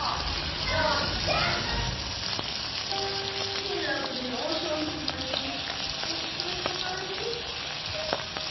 金楽寺の和尚様へのお使いの帰り。